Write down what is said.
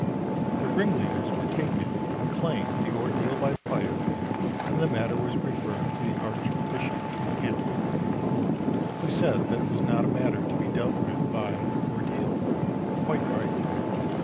The ringleaders were taken and claimed the ordeal by fire and the matter was referred to the Archbishop of Canterbury, who said that it was not a matter to be dealt with by ordeal. (Quite right!)